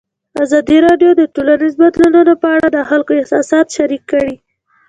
ازادي راډیو د ټولنیز بدلون په اړه د خلکو احساسات شریک کړي.